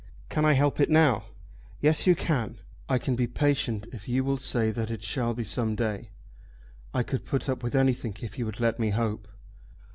"Can I help it now?" "Yes you can. I can be patient if you will say that it shall be some day. I could put up with anything if you would let me hope.